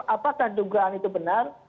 apakah dugaan itu benar